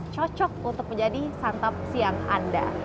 cocok untuk menjadi santap siang anda